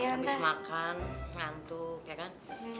habis makan ngantuk ya kan